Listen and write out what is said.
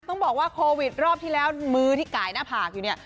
ต้องบอกว่าโควิดรอบที่แล้วมือที่ไก่หน้าผากอยู่เนี่ย